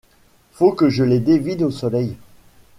Faut que je les dévide au soleil!